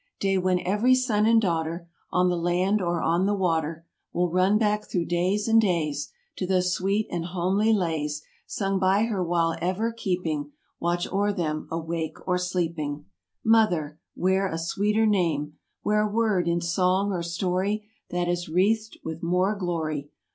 Day when every son and daughter. On the land or on the water. Will run back through days and days To those sweet and homely lays Sung by her while ever keeping Watch o'er them awake or sleeping. Mother! Where a sweeter name! Where a word in song or story That is wreathed with more glory!